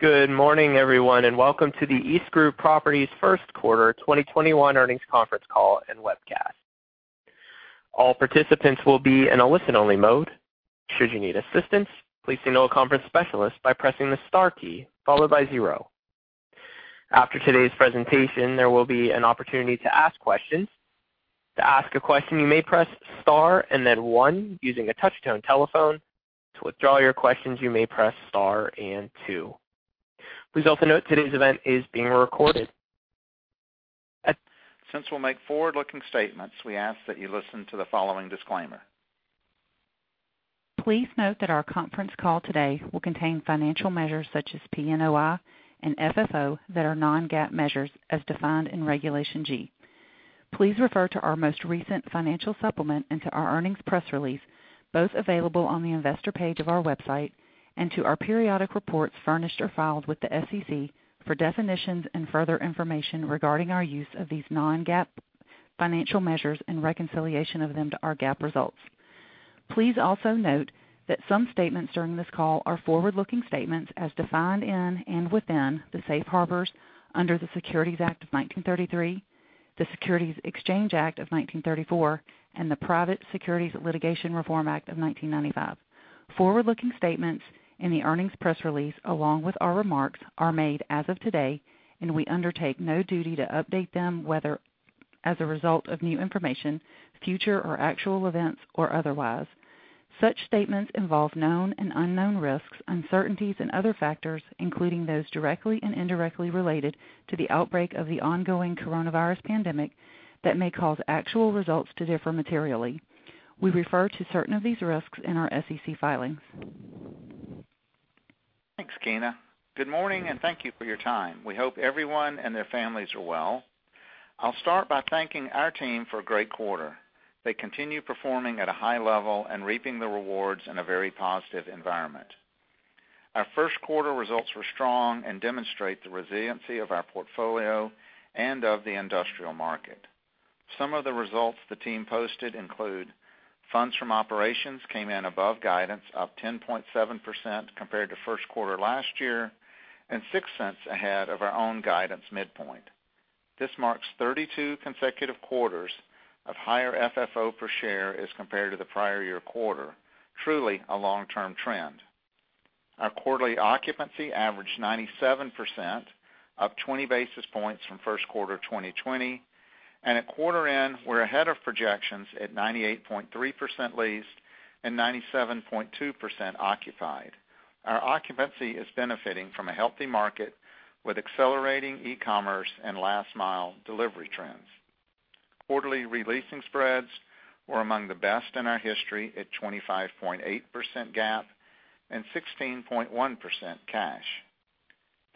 Good morning, everyone, and welcome to the EastGroup Properties first quarter 2021 earnings conference call and webcast. All participants will be in a listen-only mode. Should you need assistance, please signal a conference specialist by pressing star key followed by zero. After today's presentation, there will be an opportunity to ask questions. To ask question, you may press star and then one using a touch screen telephone. To withdraw your questions, you may press star and two. Please also note today's event is being recorded. Since we'll make forward-looking statements, we ask that you listen to the following disclaimer. Please note that our conference call today will contain financial measures such as PNOI and FFO that are non-GAAP measures as defined in Regulation G. Please refer to our most recent financial supplement and to our earnings press release, both available on the investor page of our website, and to our periodic reports furnished or filed with the SEC for definitions and further information regarding our use of these non-GAAP financial measures and reconciliation of them to our GAAP results. Please also note that some statements during this call are forward-looking statements as defined in and within the safe harbors under the Securities Act of 1933, the Securities Exchange Act of 1934, and the Private Securities Litigation Reform Act of 1995. Forward-looking statements in the earnings press release, along with our remarks, are made as of today, and we undertake no duty to update them, whether as a result of new information, future or actual events, or otherwise. Such statements involve known and unknown risks, uncertainties, and other factors, including those directly and indirectly related to the outbreak of the ongoing coronavirus pandemic, that may cause actual results to differ materially. We refer to certain of these risks in our SEC filings. Thanks, Keena. Good morning, and thank you for your time. We hope everyone and their families are well. I'll start by thanking our team for a great quarter. They continue performing at a high level and reaping the rewards in a very positive environment. Our first quarter results were strong and demonstrate the resiliency of our portfolio and of the industrial market. Some of the results the team posted include funds from operations came in above guidance, up 10.7% compared to first quarter last year, and $0.06 ahead of our own guidance midpoint. This marks 32 consecutive quarters of higher FFO per share as compared to the prior year quarter. Truly a long-term trend. Our quarterly occupancy averaged 97%, up 20 basis points from first quarter 2020. At quarter end, we're ahead of projections at 98.3% leased and 97.2% occupied. Our occupancy is benefiting from a healthy market with accelerating e-commerce and last-mile delivery trends. Quarterly re-leasing spreads were among the best in our history at 25.8% GAAP and 16.1% cash.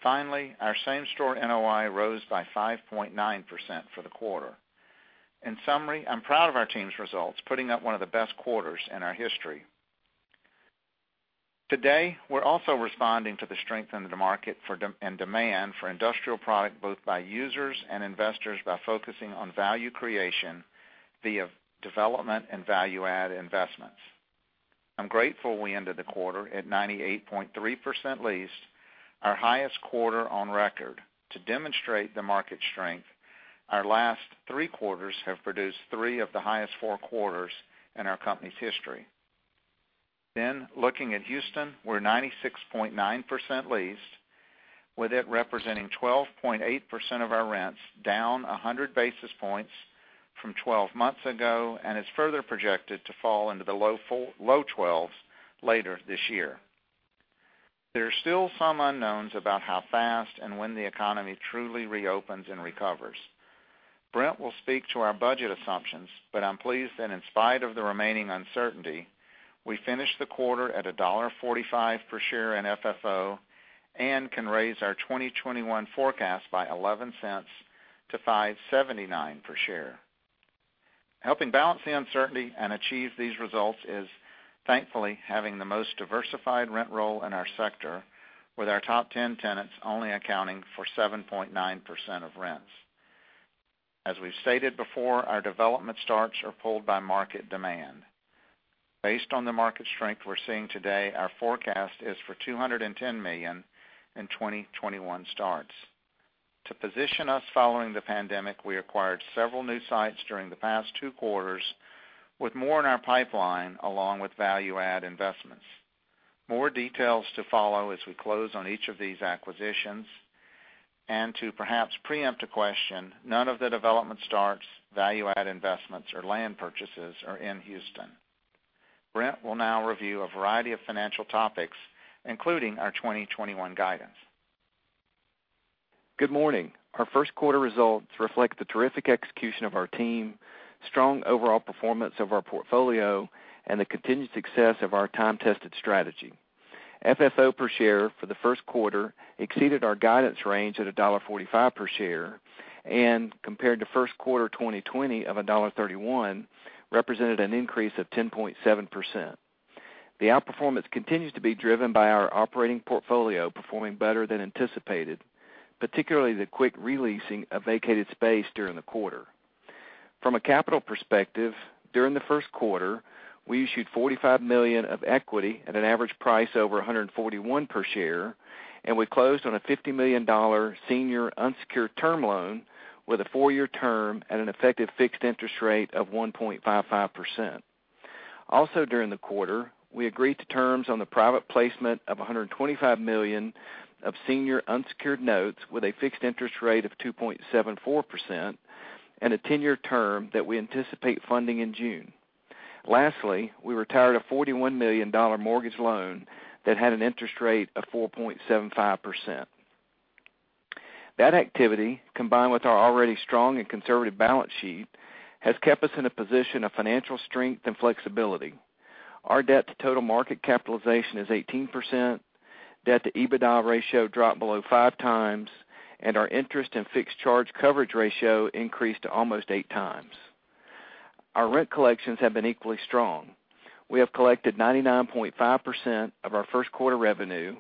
Finally, our same-store NOI rose by 5.9% for the quarter. In summary, I'm proud of our team's results, putting up one of the best quarters in our history. Today, we're also responding to the strength in the market and demand for industrial product both by users and investors by focusing on value creation via development and value-add investments. I'm grateful we ended the quarter at 98.3% leased, our highest quarter on record. To demonstrate the market strength, our last three quarters have produced three of the highest four quarters in our company's history. Looking at Houston, we're 96.9% leased, with it representing 12.8% of our rents, down 100 basis points from 12 months ago, and it's further projected to fall into the low 12s later this year. There are still some unknowns about how fast and when the economy truly reopens and recovers. Brent will speak to our budget assumptions, but I'm pleased that in spite of the remaining uncertainty, we finished the quarter at $1.45 per share in FFO and can raise our 2021 forecast by $0.11 to $5.79 per share. Helping balance the uncertainty and achieve these results is thankfully having the most diversified rent roll in our sector, with our top 10 tenants only accounting for 7.9% of rents. As we've stated before, our development starts are pulled by market demand. Based on the market strength we're seeing today, our forecast is for $210 million in 2021 starts. To position us following the pandemic, we acquired several new sites during the past two quarters, with more in our pipeline along with value-add investments. More details to follow as we close on each of these acquisitions. To perhaps preempt a question, none of the development starts, value-add investments, or land purchases are in Houston. Brent will now review a variety of financial topics, including our 2021 guidance. Good morning. Our first quarter results reflect the terrific execution of our team, strong overall performance of our portfolio, and the continued success of our time-tested strategy. FFO per share for the first quarter exceeded our guidance range at $1.45 per share, and compared to first quarter 2020 of $1.31, represented an increase of 10.7%. The outperformance continues to be driven by our operating portfolio performing better than anticipated, particularly the quick re-leasing of vacated space during the quarter. From a capital perspective, during the first quarter, we issued $45 million of equity at an average price over $141 per share, and we closed on a $50 million senior unsecured term loan with a four-year term at an effective fixed interest rate of 1.55%. During the quarter, we agreed to terms on the private placement of $125 million of senior unsecured notes with a fixed interest rate of 2.74% and a 10-year term that we anticipate funding in June. Lastly, we retired a $41 million mortgage loan that had an interest rate of 4.75%. That activity, combined with our already strong and conservative balance sheet, has kept us in a position of financial strength and flexibility. Our debt to total market capitalization is 18%, debt to EBITDA ratio dropped below 5x, and our interest and fixed charge coverage ratio increased to almost 8x. Our rent collections have been equally strong. We have collected 99.5% of our first quarter revenue,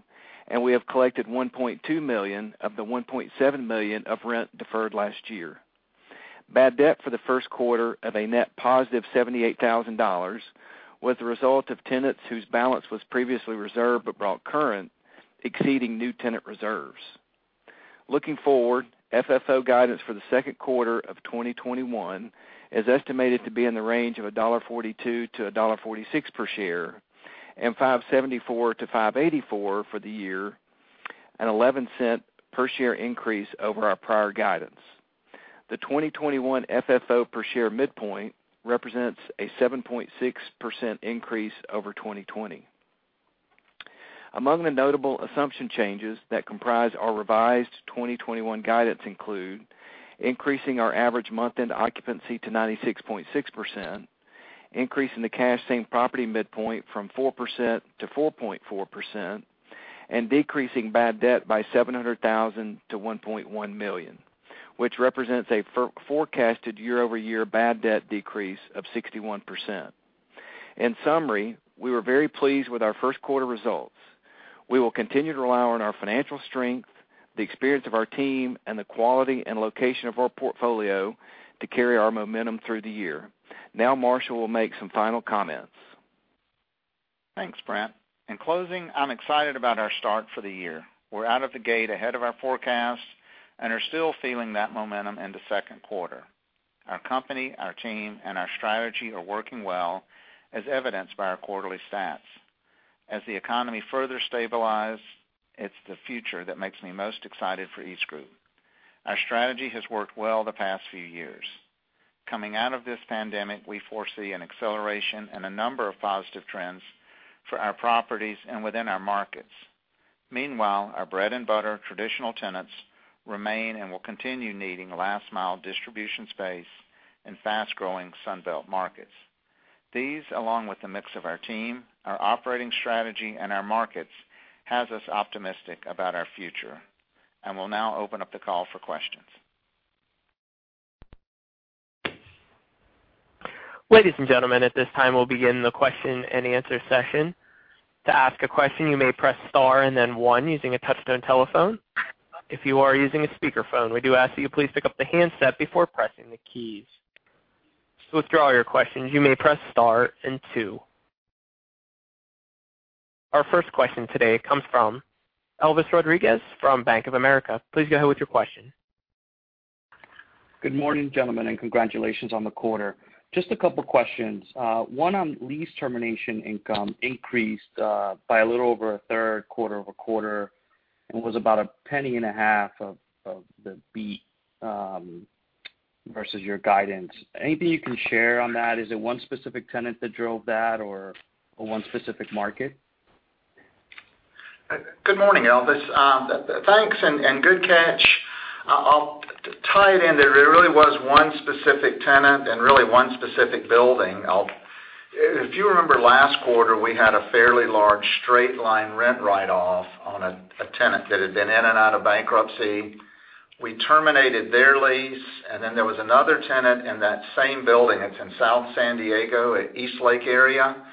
and we have collected $1.2 million of the $1.7 million of rent deferred last year. Bad debt for the first quarter of a net positive $78,000 was the result of tenants whose balance was previously reserved but brought current, exceeding new tenant reserves. Looking forward, FFO guidance for the second quarter of 2021 is estimated to be in the range of $1.42-$1.46 per share, and $5.74-$5.84 for the year, an $0.11 per share increase over our prior guidance. The 2021 FFO per share midpoint represents a 7.6% increase over 2020. Among the notable assumption changes that comprise our revised 2021 guidance include increasing our average month-end occupancy to 96.6%, increasing the cash same-property midpoint from 4%-4.4%, and decreasing bad debt by $700,000-$1.1 million, which represents a forecasted year-over-year bad debt decrease of 61%. In summary, we were very pleased with our first quarter results. We will continue to rely on our financial strength, the experience of our team, and the quality and location of our portfolio to carry our momentum through the year. Now, Marshall will make some final comments. Thanks, Brent. In closing, I'm excited about our start for the year. We're out of the gate ahead of our forecast and are still feeling that momentum in the second quarter. Our company, our team, and our strategy are working well, as evidenced by our quarterly stats. As the economy further stabilize, it's the future that makes me most excited for EastGroup. Our strategy has worked well the past few years. Coming out of this pandemic, we foresee an acceleration and a number of positive trends for our properties and within our markets. Meanwhile, our bread-and-butter traditional tenants remain and will continue needing last-mile distribution space in fast-growing Sun Belt markets. These, along with the mix of our team, our operating strategy, and our markets, has us optimistic about our future. We'll now open up the call for questions. Ladies and gentlemen, at this time, we'll begin the question-and-answer session. To ask a question, you may press star and then one using a touchtone telephone. If you are using a speakerphone, we do ask that you please pick up the handset before pressing the keys. To withdraw your questions, you may press star and two. Our first question today comes from Elvis Rodriguez from Bank of America. Please go ahead with your question. Good morning, gentlemen, and congratulations on the quarter. Just a couple questions. One on lease termination income increased by a little over a third quarter-over-quarter and was about $0.015 of the beat versus your guidance. Anything you can share on that? Is it one specific tenant that drove that or one specific market? Good morning, Elvis. Thanks, and good catch. I'll tie it in. There really was one specific tenant and really one specific building. If you remember last quarter, we had a fairly large straight-line rent write-off on a tenant that had been in and out of bankruptcy. We terminated their lease, and then there was another tenant in that same building. It's in South San Diego, Eastlake area,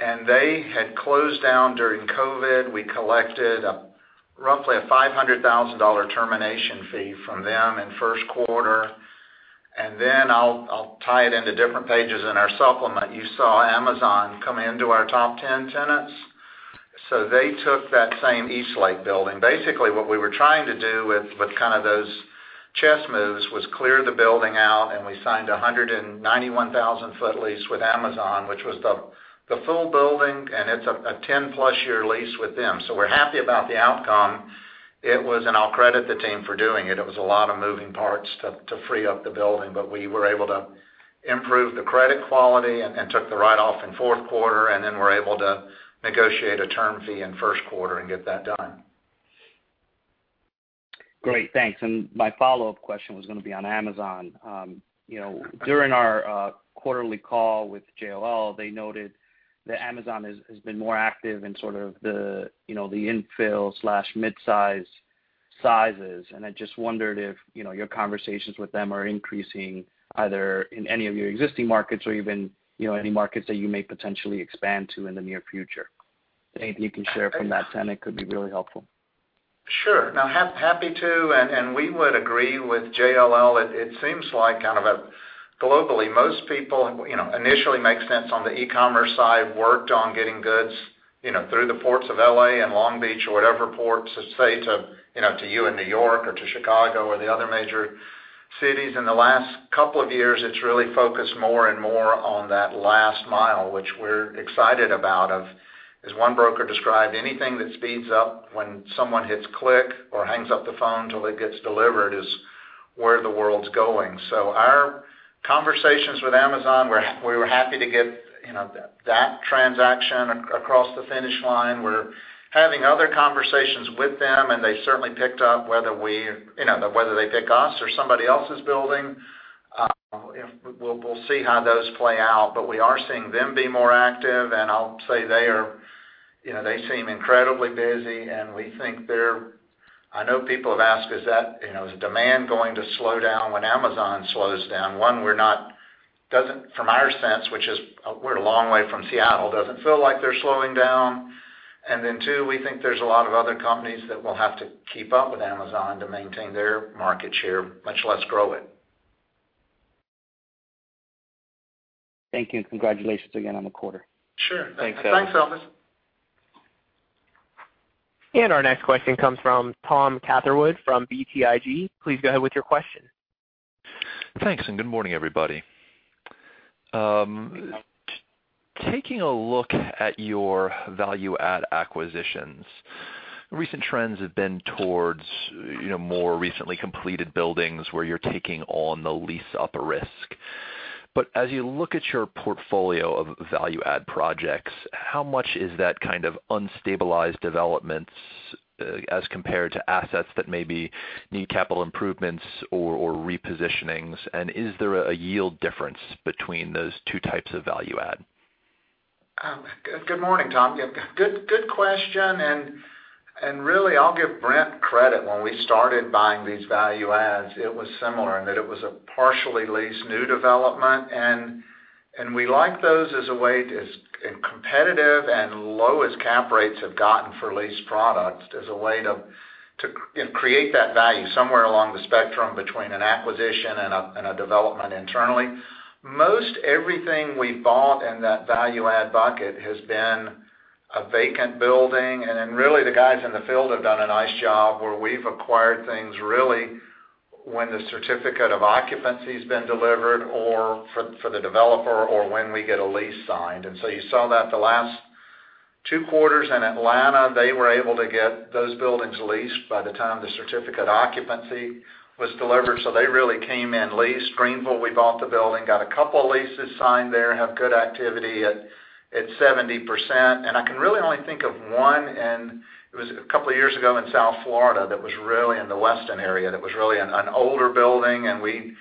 and they had closed down during COVID. We collected roughly a $500,000 termination fee from them in first quarter. Then I'll tie it into different pages in our supplement. You saw Amazon come into our top 10 tenants. They took that same Eastlake building. What we were trying to do with kind of those chess moves was clear the building out, and we signed 191,000 foot lease with Amazon, which was the full building, and it's a 10-plus year lease with them. We're happy about the outcome. It was, and I'll credit the team for doing it was a lot of moving parts to free up the building. We were able to improve the credit quality and took the write-off in fourth quarter, and then were able to negotiate a term fee in first quarter and get that done. Great. Thanks. My follow-up question was going to be on Amazon. During our quarterly call with JLL, they noted that Amazon has been more active in sort of the infill/mid-size sizes, and I just wondered if your conversations with them are increasing either in any of your existing markets or even any markets that you may potentially expand to in the near future. Anything you can share from that tenant could be really helpful. Sure. Happy to, we would agree with JLL. It seems like globally, most people initially make sense on the e-commerce side, worked on getting goods through the ports of L.A. and Long Beach or whatever ports say to you in New York or to Chicago or the other major cities. In the last couple of years, it's really focused more and more on that last mile, which we're excited about of, as one broker described, anything that speeds up when someone hits click or hangs up the phone till it gets delivered is where the world's going. Our conversations with Amazon, we were happy to get that transaction across the finish line. We're having other conversations with them, they certainly picked up whether they pick us or somebody else's building, we'll see how those play out. We are seeing them be more active. I'll say they seem incredibly busy. I know people have asked, is demand going to slow down when Amazon slows down? One, from our sense, which is we're a long way from Seattle, doesn't feel like they're slowing down. Two, we think there's a lot of other companies that will have to keep up with Amazon to maintain their market share, much less grow it. Thank you, and congratulations again on the quarter. Sure. Thanks, Elvis. Thanks, Elvis. Our next question comes from Thomas Catherwood, from BTIG. Please go ahead with your question. Thanks, good morning, everybody. Taking a look at your value add acquisitions, recent trends have been towards more recently completed buildings where you're taking on the lease-up risk. As you look at your portfolio of value add projects, how much is that kind of unstabilized developments as compared to assets that maybe need capital improvements or repositionings, and is there a yield difference between those two types of value add? Good morning, Tom. Good question. Really, I'll give Brent credit. When we started buying these value adds, it was similar in that it was a partially leased new development. We like those as a way to, competitive and low as cap rates have gotten for leased products as a way to create that value somewhere along the spectrum between an acquisition and a development internally. Most everything we've bought in that value add bucket has been a vacant building. Really, the guys in the field have done a nice job where we've acquired things really when the certificate of occupancy has been delivered or for the developer or when we get a lease signed. You saw that the last two quarters in Atlanta, they were able to get those buildings leased by the time the certificate of occupancy was delivered. They really came in leased. Greenville, we bought the building, got a couple leases signed there, have good activity at 70%. I can really only think of one, and it was a couple of years ago in South Florida, that was really in the Weston area, that was really an older building, and we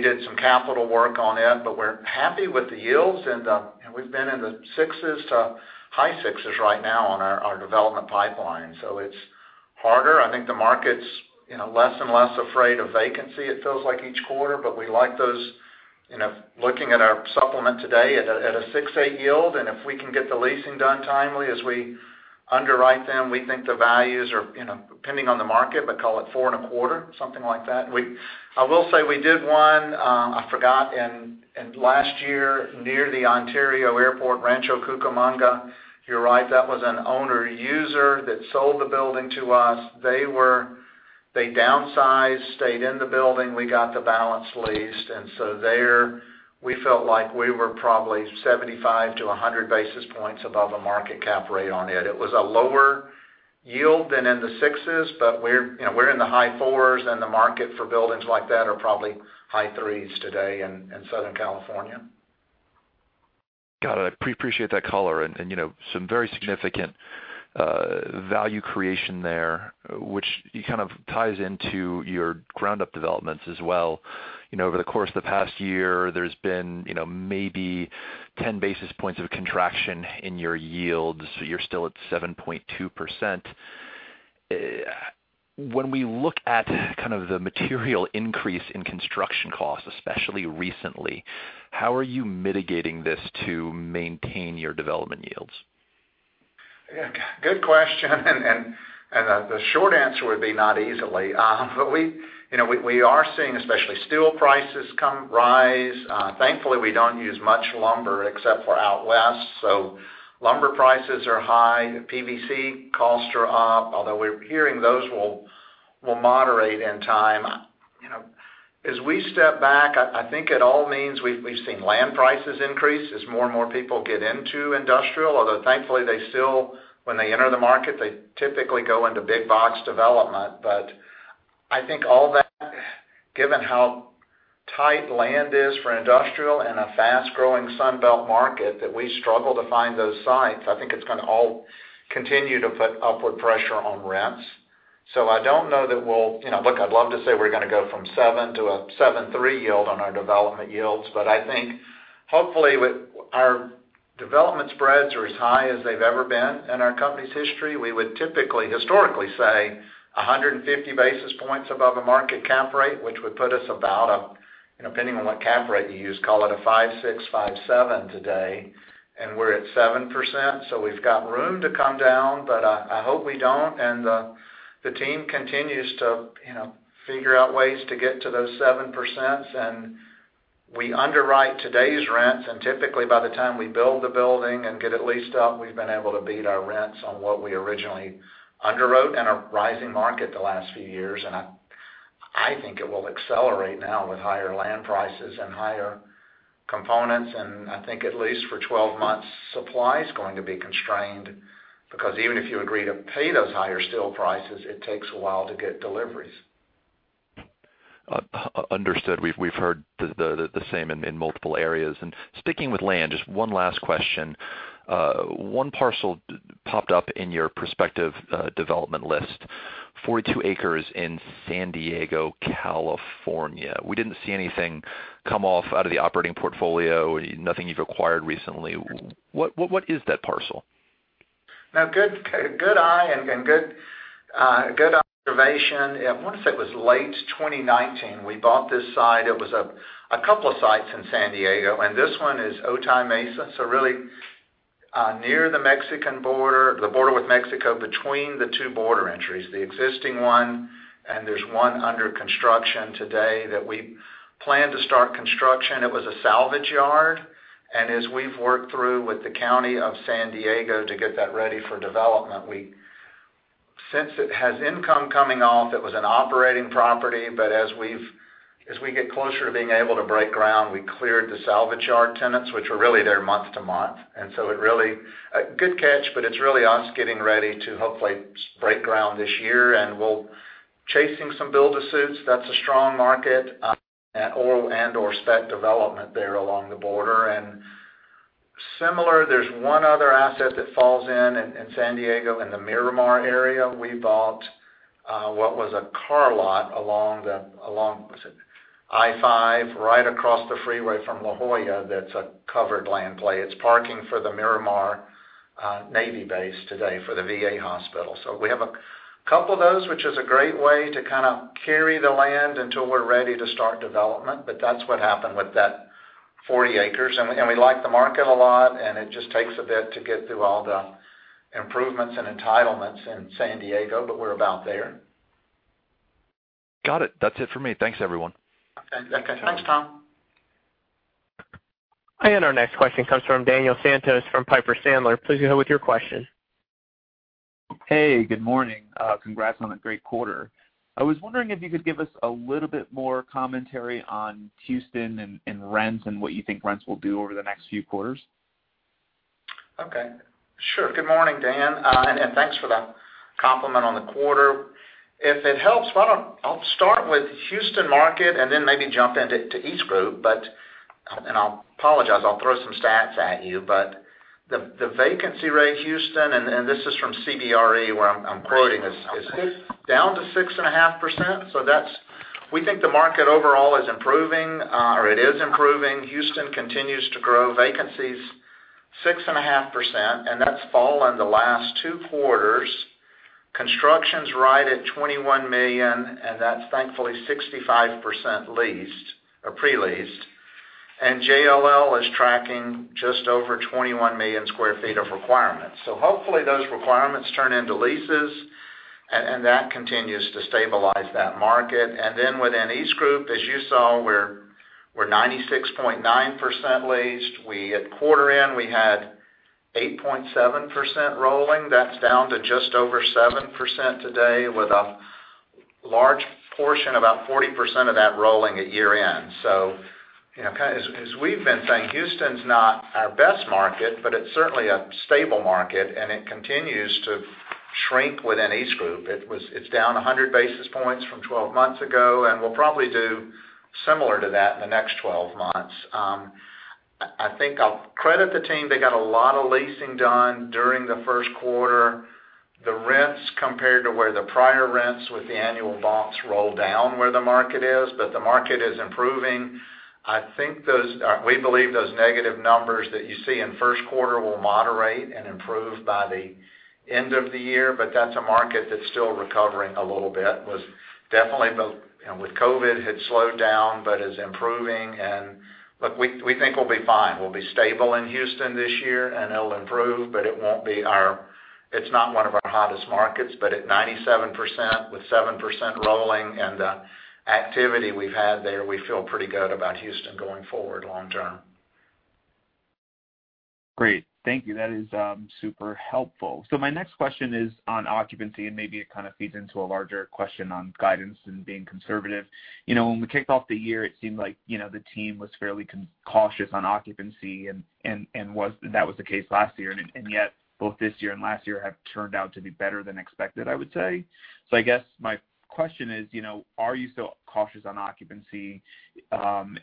did some capital work on it. We're happy with the yields, and we've been in the sixes to high sixes right now on our development pipeline. It's harder. I think the market's less and less afraid of vacancy it feels like each quarter, but we like those. Looking at our supplement today at a 6.8% yield, and if we can get the leasing done timely as we underwrite them, we think the values are, depending on the market, but call it four and a quarter, something like that. I will say we did one, I forgot, and last year near the Ontario Airport, Rancho Cucamonga. You're right, that was an owner-user that sold the building to us. They downsized, stayed in the building, we got the balance leased. There, we felt like we were probably 75 to 100 basis points above a market cap rate on it. It was a lower yield than in the sixes, but we're in the high fours and the market for buildings like that are probably high threes today in Southern California. Got it. I appreciate that color and some very significant value creation there, which kind of ties into your ground-up developments as well. Over the course of the past year, there's been maybe 10 basis points of contraction in your yields, so you're still at 7.2%. When we look at kind of the material increase in construction costs, especially recently, how are you mitigating this to maintain your development yields? Yeah. Good question. The short answer would be not easily. We are seeing especially steel prices rise. Thankfully, we don't use much lumber except for out west. Lumber prices are high. PVC costs are up, although we're hearing those will moderate in time. As we step back, I think it all means we've seen land prices increase as more and more people get into industrial. Although thankfully they still, when they enter the market, they typically go into big box development. I think all that, given how tight land is for industrial and a fast-growing Sun Belt market, that we struggle to find those sites. I think it's gonna all continue to put upward pressure on rents. I don't know that we'll. Look, I'd love to say we're gonna go from seven to a 7.3 yield on our development yields. I think hopefully with our development spreads are as high as they've ever been in our company's history. We would typically, historically say, 150 basis points above a market cap rate, which would put us. Depending on what cap rate you use, call it a 5.6, 5.7 today, and we're at 7%. We've got room to come down, but I hope we don't. The team continues to figure out ways to get to those 7%. We underwrite today's rents, and typically, by the time we build the building and get it leased up, we've been able to beat our rents on what we originally underwrote in a rising market the last few years. I think it will accelerate now with higher land prices and higher components. I think at least for 12 months, supply is going to be constrained, because even if you agree to pay those higher steel prices, it takes a while to get deliveries. Understood. We've heard the same in multiple areas. Sticking with land, just one last question. One parcel popped up in your prospective development list, 42 acres in San Diego, California. We didn't see anything come off out of the operating portfolio, nothing you've acquired recently. What is that parcel? Good eye and good observation. I want to say it was late 2019. We bought this site. It was a couple of sites in San Diego, and this one is Otay Mesa, so really near the Mexican border, the border with Mexico, between the two border entries, the existing one, and there's one under construction today that we plan to start construction. It was a salvage yard, and as we've worked through with the county of San Diego to get that ready for development, we Since it has income coming off, it was an operating property, but as we get closer to being able to break ground, we cleared the salvage yard tenants, which were really there month to month. It really Good catch, but it's really us getting ready to hopefully break ground this year, and we're chasing some build-to-suits. That's a strong market, and/or spec development there along the border. Similar, there's one other asset that falls in in San Diego in the Miramar area. We bought what was a car lot along, was it I-5? Right across the freeway from La Jolla. That's a covered land play. It's parking for the Miramar Navy base today, for the VA Hospital. We have a couple of those, which is a great way to kind of carry the land until we're ready to start development. That's what happened with that 40 acres, and we like the market a lot, and it just takes a bit to get through all the improvements and entitlements in San Diego, but we're about there. Got it. That's it for me. Thanks, everyone. Okay. Thanks, Tom. Our next question comes from Daniel Santos from Piper Sandler. Please go ahead with your question. Hey. Good morning. Congrats on a great quarter. I was wondering if you could give us a little bit more commentary on Houston and rents and what you think rents will do over the next few quarters. Okay. Sure. Good morning, Dan, and thanks for the compliment on the quarter. If it helps, I'll start with Houston market. Then maybe jump into EastGroup. I'll apologize, I'll throw some stats at you. The vacancy rate Houston, and this is from CBRE, where I'm quoting, is down to 6.5%. That's. We think the market overall is improving, or it is improving. Houston continues to grow vacancies 6.5%. That's fallen the last two quarters. Construction's right at 21 million. That's thankfully 65% leased or pre-leased. JLL is tracking just over 21 million square feet of requirements. Hopefully, those requirements turn into leases. That continues to stabilize that market. Within EastGroup, as you saw, we're 96.9% leased. At quarter end, we had 8.7% rolling. That's down to just over 7% today, with a large portion, about 40% of that rolling at year-end. As we've been saying, Houston's not our best market, but it's certainly a stable market, and it continues to shrink within EastGroup. It's down 100 basis points from 12 months ago, and we'll probably do similar to that in the next 12 months. I think I'll credit the team. They got a lot of leasing done during the first quarter. The rents compared to where the prior rents with the annual bumps roll down where the market is. The market is improving. We believe those negative numbers that you see in first quarter will moderate and improve by the end of the year. That's a market that's still recovering a little bit. Was definitely built And with COVID, had slowed down, but is improving. Look, we think we'll be fine. We'll be stable in Houston this year, and it'll improve, but it's not one of our hottest markets. At 97% with 7% rolling and the activity we've had there, we feel pretty good about Houston going forward long term. Great. Thank you. That is super helpful. My next question is on occupancy, and maybe it kind of feeds into a larger question on guidance and being conservative. When we kicked off the year, it seemed like the team was fairly cautious on occupancy, and that was the case last year, and yet both this year and last year have turned out to be better than expected, I would say. I guess my question is, are you still cautious on occupancy?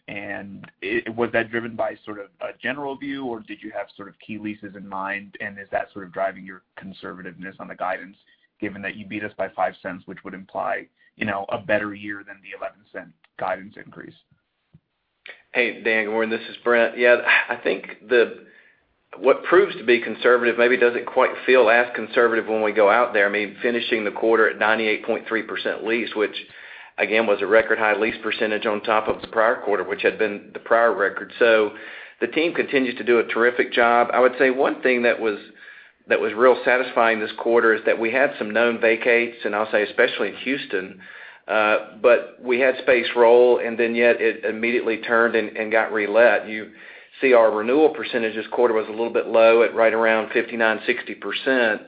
And was that driven by sort of a general view, or did you have sort of key leases in mind, and is that sort of driving your conservativeness on the guidance, given that you beat us by $0.05, which would imply a better year than the $0.11 guidance increase? Hey, Dan. Good morning. This is Brent. Yeah, I think what proves to be conservative maybe doesn't quite feel as conservative when we go out there. I mean, finishing the quarter at 98.3% leased, which again, was a record high lease percentage on top of the prior quarter, which had been the prior record. The team continues to do a terrific job. I would say one thing that was real satisfying this quarter is that we had some known vacates, and I'll say especially in Houston, but we had space roll and then yet it immediately turned and got relet. You see our renewal percentage this quarter was a little bit low at right around 59%-60%,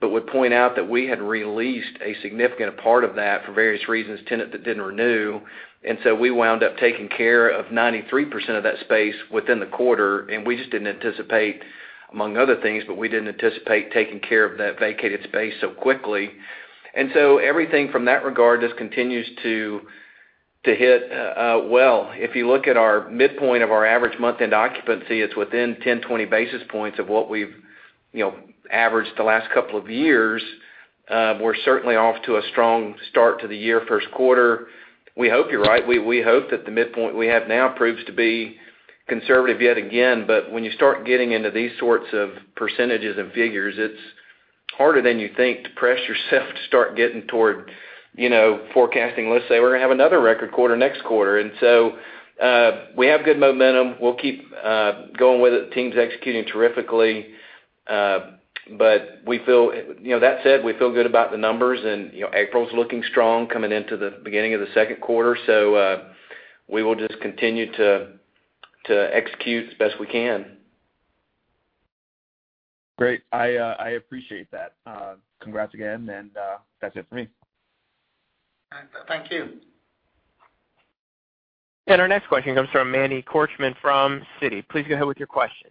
but would point out that we had re-leased a significant part of that for various reasons, tenant that didn't renew. We wound up taking care of 93% of that space within the quarter. We just didn't anticipate, among other things, but we didn't anticipate taking care of that vacated space so quickly. Everything from that regard just continues to hit well. If you look at our midpoint of our average month-end occupancy, it's within 10, 20 basis points of what we've averaged the last couple of years. We're certainly off to a strong start to the year, first quarter. We hope you're right. We hope that the midpoint we have now proves to be conservative yet again. When you start getting into these sorts of percentages and figures, it's harder than you think to press yourself to start getting toward forecasting, let's say, we're going to have another record quarter next quarter. We have good momentum. We'll keep going with it. The team's executing terrifically. That said, we feel good about the numbers and April's looking strong coming into the beginning of the second quarter. We will just continue to execute as best we can. Great. I appreciate that. Congrats again. That's it for me. Thank you. Our next question comes from Manny Korchman from Citi. Please go ahead with your question.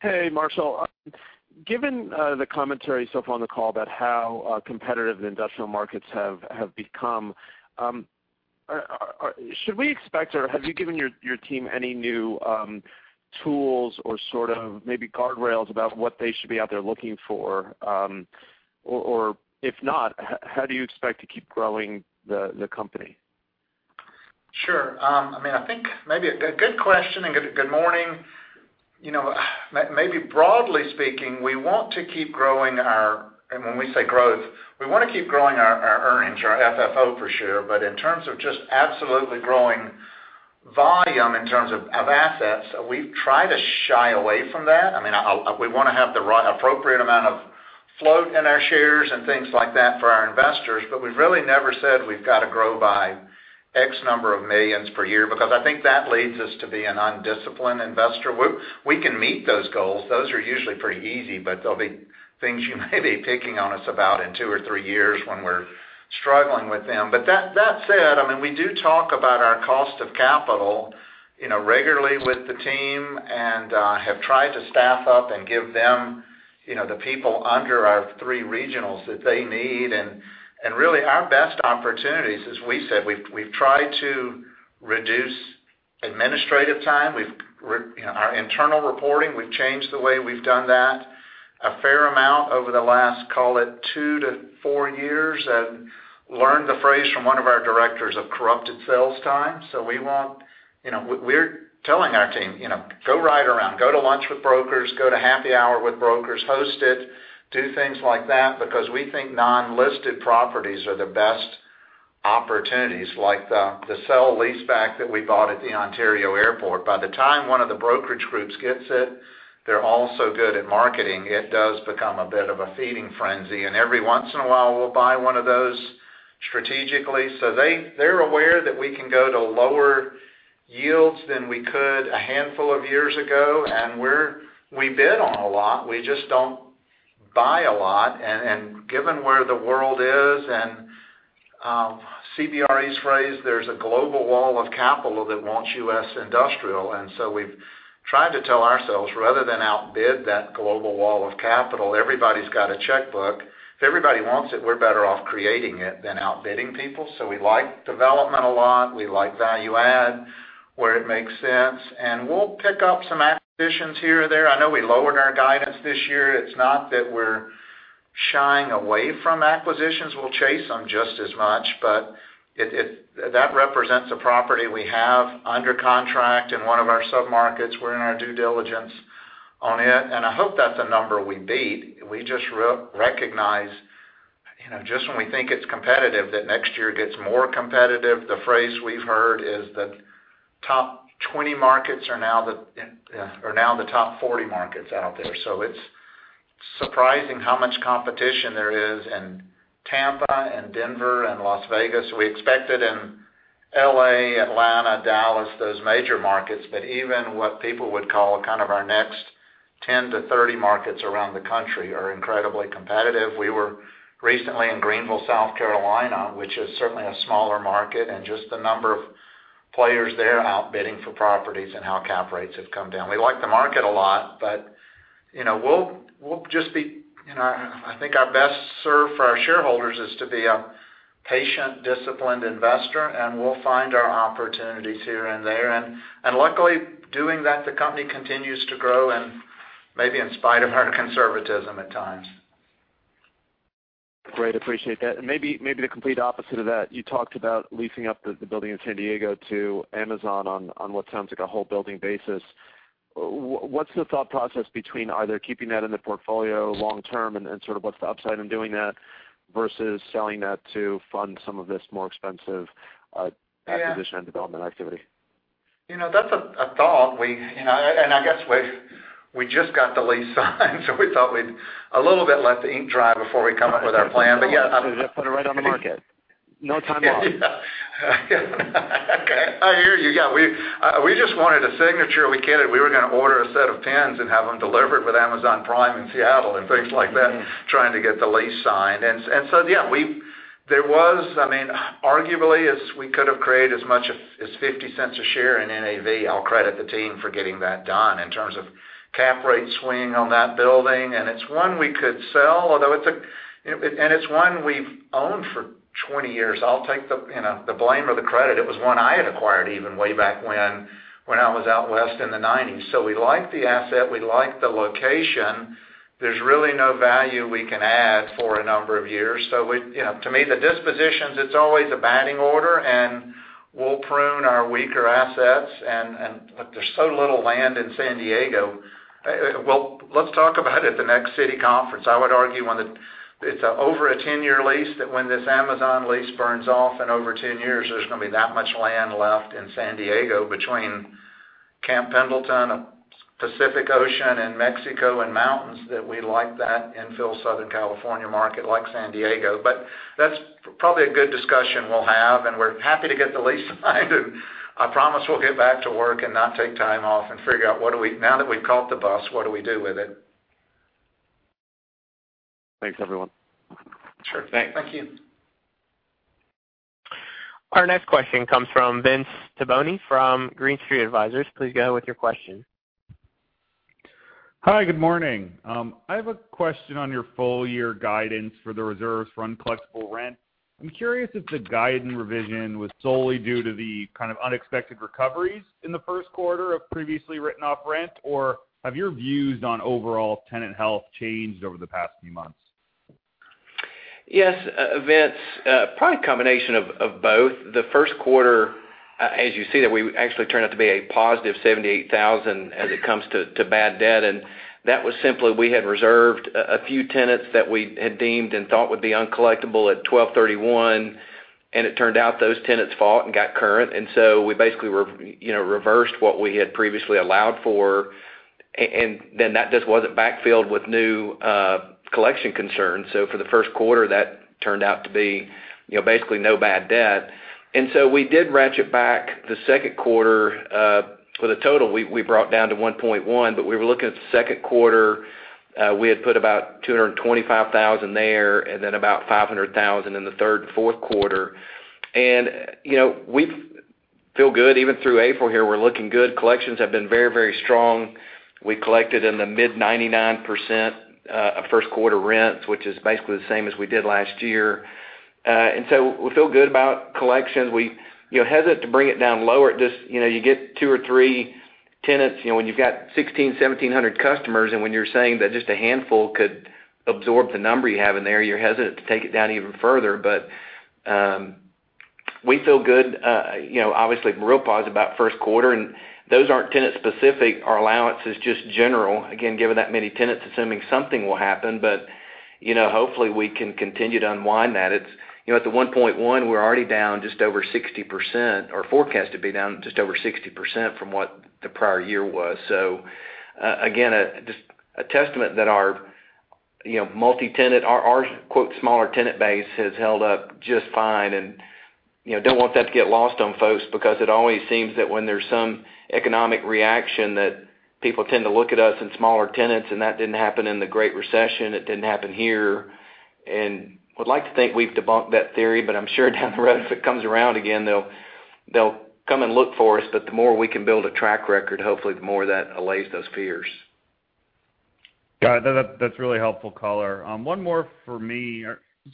Hey, Marshall, given the commentary so far on the call about how competitive the industrial markets have become, should we expect, or have you given your team any new tools or sort of maybe guardrails about what they should be out there looking for? If not, how do you expect to keep growing the company? Sure. I think maybe a good question and good morning. Maybe broadly speaking, when we say growth, we want to keep growing our earnings, our FFO for sure. In terms of just absolutely growing volume in terms of assets, we've tried to shy away from that. I mean, we want to have the appropriate amount of float in our shares and things like that for our investors. We've really never said we've got to grow by X number of millions per year, because I think that leads us to be an undisciplined investor. We can meet those goals. Those are usually pretty easy, but they'll be things you may be picking on us about in two or three years when we're struggling with them. That said, I mean, we do talk about our cost of capital regularly with the team and have tried to staff up and give them the people under our three regionals that they need. Really our best opportunities, as we said, we've tried to reduce administrative time. Our internal reporting, we've changed the way we've done that a fair amount over the last, call it two to four years, and learned the phrase from one of our directors of corrupted sales time. We're telling our team, "Go ride around, go to lunch with brokers, go to happy hour with brokers, host it," do things like that, because we think non-listed properties are the best opportunities, like the sale leaseback that we bought at the Ontario airport. By the time one of the brokerage groups gets it, they're all so good at marketing, it does become a bit of a feeding frenzy. Every once in a while, we'll buy one of those strategically. They're aware that we can go to lower yields than we could a handful of years ago, and we bid on a lot. We just don't buy a lot. Given where the world is and CBRE's phrase, there's a global wall of capital that wants U.S. industrial. We've tried to tell ourselves, rather than outbid that global wall of capital, everybody's got a checkbook. If everybody wants it, we're better off creating it than outbidding people. We like development a lot. We like value add where it makes sense, and we'll pick up some acquisitions here or there. I know we lowered our guidance this year. It's not that we're shying away from acquisitions. We'll chase them just as much. That represents a property we have under contract in one of our sub-markets. We're in our due diligence on it, and I hope that's a number we beat. We just recognize, just when we think it's competitive, that next year gets more competitive. The phrase we've heard is the top 20 markets are now the top 40 markets out there. It's surprising how much competition there is in Tampa and Denver and Las Vegas. We expect it in L.A., Atlanta, Dallas, those major markets. Even what people would call kind of our next 10 to 30 markets around the country are incredibly competitive. We were recently in Greenville, South Carolina, which is certainly a smaller market, and just the number of players there outbidding for properties and how cap rates have come down. We like the market a lot, but I think our best serve for our shareholders is to be a patient, disciplined investor, and we'll find our opportunities here and there. Luckily, doing that, the company continues to grow and maybe in spite of our conservatism at times. Great. Appreciate that. Maybe the complete opposite of that, you talked about leasing up the building in San Diego to Amazon on what sounds like a whole building basis. What's the thought process between either keeping that in the portfolio long-term, and what's the upside in doing that, versus selling that to fund some of this more expensive acquisition and development activity? That's a thought. I guess we just got the lease signed, so we thought we'd a little bit let the ink dry before we come up with our plan. Just put it right on the market. No time off. Yeah. Okay. I hear you. We just wanted a signature. We were going to order a set of pens and have them delivered with Amazon Prime in Seattle and things like that, trying to get the lease signed. Yeah, there was arguably, we could have created as much as $0.50 a share in NAV. I'll credit the team for getting that done in terms of cap rate swing on that building, and it's one we could sell, and it's one we've owned for 20 years. I'll take the blame or the credit. It was one I had acquired even, way back when I was out west in the 1990s. We like the asset. We like the location. There's really no value we can add for a number of years. To me, the dispositions, it's always a batting order, and we'll prune our weaker assets. There's so little land in San Diego. Well, let's talk about it the next Citi conference. I would argue, it's over a 10-year lease, that when this Amazon lease burns off in over 10 years, there's going to be that much land left in San Diego between Camp Pendleton, Pacific Ocean, and Mexico and mountains, that we like that infill Southern California market like San Diego. That's probably a good discussion we'll have, and we're happy to get the lease signed. I promise we'll get back to work and not take time off and figure out, now that we've caught the bus, what do we do with it? Thanks, everyone. Sure. Thank you. Our next question comes from Vince Tibone from Green Street Advisors. Please go with your question. Hi, good morning. I have a question on your full-year guidance for the reserves for uncollectible rent. I'm curious if the guidance revision was solely due to the kind of unexpected recoveries in the first quarter of previously written-off rent, or have your views on overall tenant health changed over the past few months? Yes, Vince. Probably a combination of both. The first quarter, as you see, that we actually turned out to be a positive $78,000 as it comes to bad debt, and that was simply we had reserved a few tenants that we had deemed and thought would be uncollectible at 12/31, and it turned out those tenants fought and got current. We basically reversed what we had previously allowed for, and then that just wasn't backfilled with new collection concerns. For the first quarter, that turned out to be basically no bad debt. We did ratchet back the second quarter. For the total, we brought down to $1.1, but we were looking at the second quarter. We had put about $225,000 there, and then about $500,000 in the third and fourth quarter. We feel good. Even through April here, we're looking good. Collections have been very strong. We collected in the mid-99% of first quarter rents, which is basically the same as we did last year. We feel good about collections. We're hesitant to bring it down lower. You get two or three tenants, when you've got 16, 1,700 customers, and when you're saying that just a handful could absorb the number you have in there, you're hesitant to take it down even further, but we feel good. Obviously real positive about first quarter, those aren't tenant specific. Our allowance is just general, again, given that many tenants, assuming something will happen, but hopefully we can continue to unwind that. At the 1.1, we're already down just over 60%, or forecast to be down just over 60% from what the prior year was. Again, just a testament that our multi-tenant, our quote, smaller tenant base has held up just fine, and don't want that to get lost on folks because it always seems that when there's some economic reaction, that people tend to look at us in smaller tenants, and that didn't happen in the Great Recession. It didn't happen here, and would like to think we've debunked that theory, but I'm sure down the road, if it comes around again, they'll come and look for us. The more we can build a track record, hopefully the more that allays those fears. Got it. That's really helpful color. One more for me.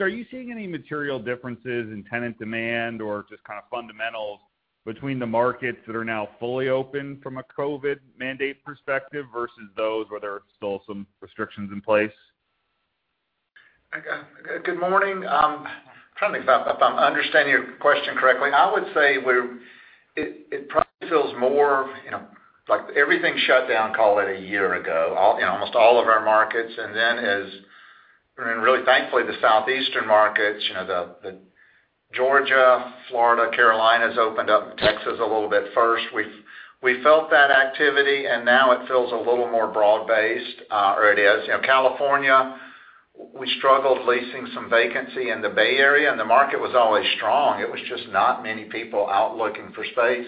Are you seeing any material differences in tenant demand or just kind of fundamentals between the markets that are now fully open from a COVID mandate perspective versus those where there are still some restrictions in place? Good morning. I'm trying to think if I'm understanding your question correctly. I would say it probably feels more like everything shut down, call it a year ago, in almost all of our markets. Then as really thankfully the southeastern markets, the Georgia, Florida, Carolinas opened up, and Texas a little bit first. We felt that activity, now it feels a little more broad-based, or it is. California, we struggled leasing some vacancy in the Bay Area, the market was always strong. It was just not many people out looking for space,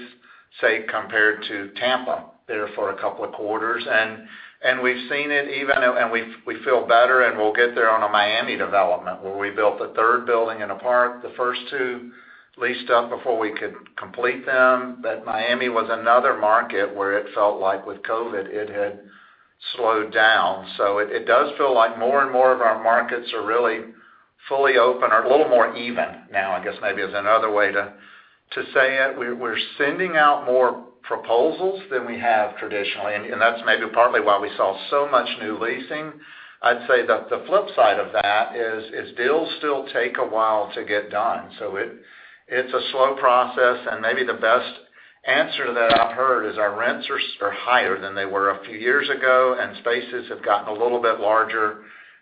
say, compared to Tampa there for a couple of quarters. We've seen it even, we feel better, and we'll get there on a Miami development, where we built a third building in a park. The first two leased up before we could complete them. Miami was another market where it felt like with COVID, it had slowed down. It does feel like more and more of our markets are really fully open or a little more even now, I guess maybe is another way to say it, we're sending out more proposals than we have traditionally, and that's maybe partly why we saw so much new leasing. I'd say the flip side of that is deals still take a while to get done. It's a slow process, and maybe the best answer that I've heard is our rents are higher than they were a few years ago, and spaces have gotten a little bit larger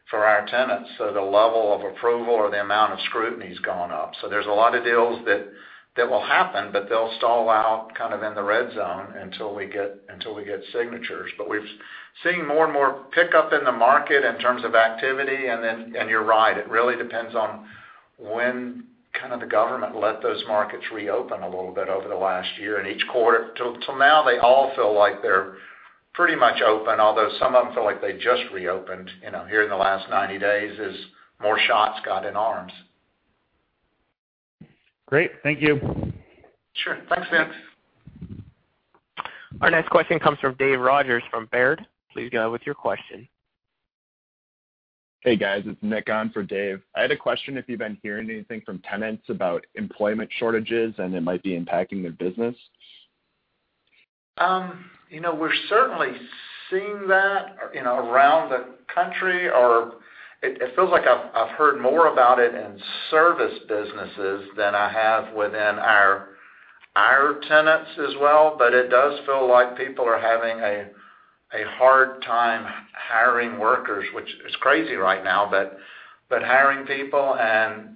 for our tenants. The level of approval or the amount of scrutiny's gone up. There's a lot of deals that will happen, but they'll stall out kind of in the red zone until we get signatures. We've seen more and more pickup in the market in terms of activity. You're right, it really depends on when kind of the government let those markets reopen a little bit over the last year and each quarter till now they all feel like they're pretty much open, although some of them feel like they just reopened, here in the last 90 days as more shots got in arms. Great. Thank you. Sure. Thanks, Vince. Our next question comes from David Rodgers from Baird. Please go with your question. Hey, guys. It's Nick on for David. I had a question if you've been hearing anything from tenants about employment shortages, and it might be impacting their business? We're certainly seeing that, around the country, or it feels like I've heard more about it in service businesses than I have within our tenants as well. It does feel like people are having a hard time hiring workers, which is crazy right now. Hiring people and,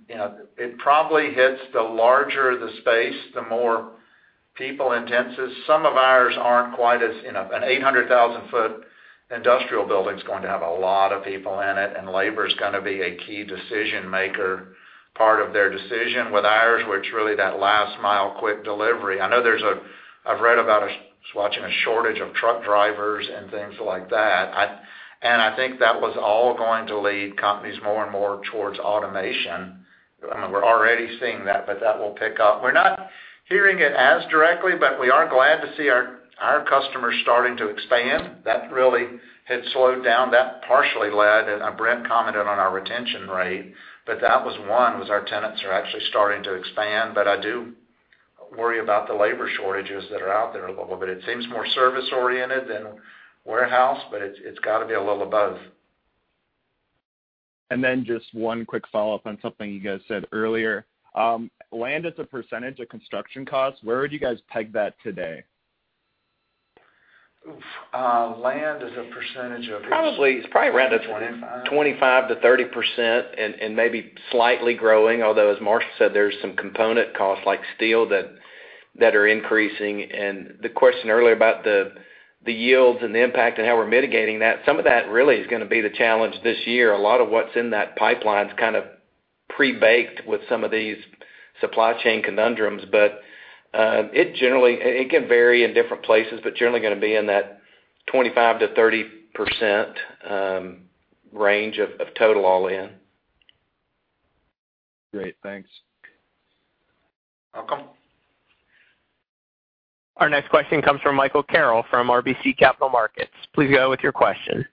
it probably hits the larger the space, the more people-intense is. Some of ours aren't quite as. An 800,000-foot industrial building's going to have a lot of people in it, and labor's gonna be a key decision-maker, part of their decision. With ours, we're truly that last-mile quick delivery. I know I've read about us watching a shortage of truck drivers and things like that. I think that was all going to lead companies more and more towards automation. I mean, we're already seeing that, but that will pick up. We're not hearing it as directly, but we are glad to see our customers starting to expand. That really had slowed down. That partially led, and Brent commented on our retention rate, but that was one, was our tenants are actually starting to expand. I do worry about the labor shortages that are out there a little bit. It seems more service-oriented than warehouse, but it's gotta be a little of both. Then just one quick follow-up on something you guys said earlier. Land as a percentage of construction costs, where would you guys peg that today? Oof. Land as a percentage of- It's probably. 25%-30% and maybe slightly growing, although, as Marshall said, there's some component costs like steel that are increasing. The question earlier about the yields and the impact and how we're mitigating that, some of that really is going to be the challenge this year. A lot of what's in that pipeline's kind of prebaked with some of these supply chain conundrums. It can vary in different places, but generally going to be in that 25%-30% range of total all in. Great. Thanks. Welcome. Our next question comes from Michael Carroll from RBC Capital Markets. Please go with your question.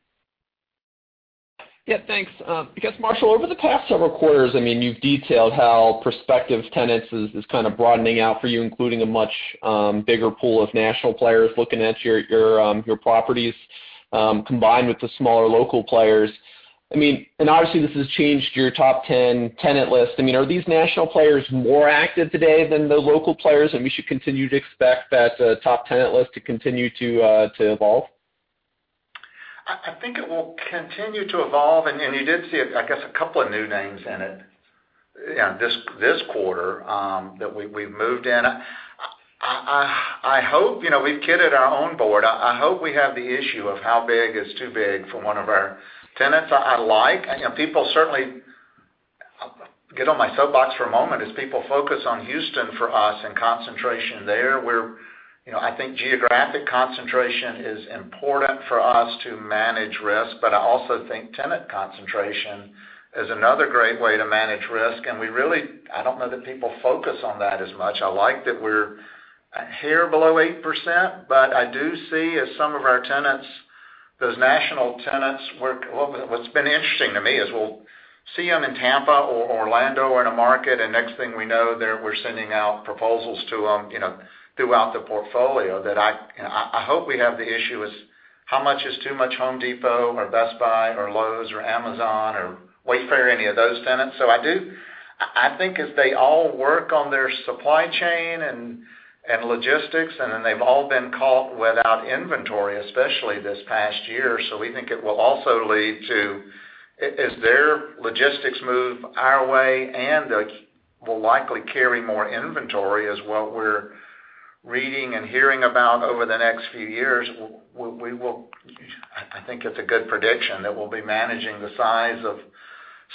Yeah, thanks. I guess, Marshall, over the past several quarters, you've detailed how prospective tenants is kind of broadening out for you, including a much bigger pool of national players looking at your properties, combined with the smaller local players. Obviously, this has changed your top 10 tenant list. Are these national players more active today than the local players, and we should continue to expect that top 10 tenant list to continue to evolve? I think it will continue to evolve. You did see, I guess, a couple of new names in it this quarter that we've moved in. We've kidded our own board. I hope we have the issue of how big is too big for one of our tenants. I like people certainly get on my soapbox for a moment, as people focus on Houston for us and concentration there, where I think geographic concentration is important for us to manage risk. I also think tenant concentration is another great way to manage risk, and we really, I don't know that people focus on that as much. I like that we're here below 8%, but I do see as some of our tenants, those national tenants work Well, what's been interesting to me is we'll see them in Tampa or Orlando or in a market, and next thing we know, we're sending out proposals to them, throughout the portfolio that I hope we have the issue is how much is too much The Home Depot or Best Buy or Lowe's or Amazon or Wayfair, any of those tenants. I do. I think as they all work on their supply chain and logistics, and then they've all been caught without inventory, especially this past year. We think it will also lead to, as their logistics move our way and will likely carry more inventory as what we're reading and hearing about over the next few years, I think it's a good prediction that we'll be managing the size of